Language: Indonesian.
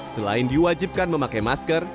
selain diwajibkan memakai masker